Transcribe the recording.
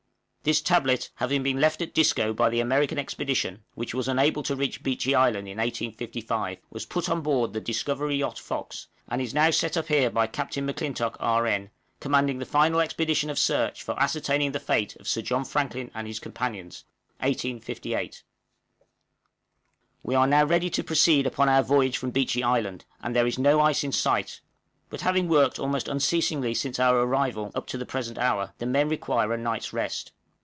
This Tablet having been left at Disco by the American Expedition, which was unable to reach Beechey Island, in 1855, was put on board the Discovery Yacht Fox, and is now set up here by Captain M'Clintock, R.N., commanding the final expedition of search for ascertaining the fate of Sir John Franklin and his companions, 1858. We are now ready to proceed upon our voyage from Beechey Island, and there is no ice in sight; but having worked almost unceasingly since our arrival up to the present hour, the men require a night's rest.